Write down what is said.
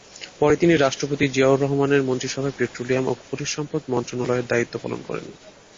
পরে তিনি রাষ্ট্রপতি জিয়াউর রহমানের মন্ত্রিসভায় পেট্রোলিয়াম ও খনিজ সম্পদ মন্ত্রণালয়ের দায়িত্ব পালন করেন।